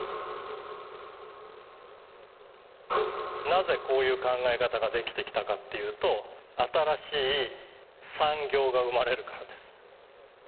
なぜこういう考え方ができてきたかっていうと新しい産業が生まれるからです。